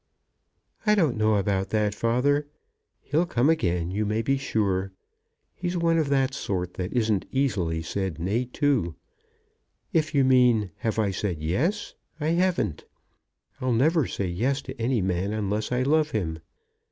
"I don't know about that, father. He'll come again, you may be sure. He's one of that sort that isn't easily said nay to. If you mean, have I said yes? I haven't. I'll never say yes to any man unless I love him.